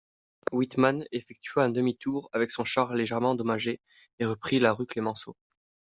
Witmann effectua un demi-tour avec son char légèrement endommagé et reprit la rue Clemenceau.